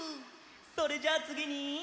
それじゃあつぎに。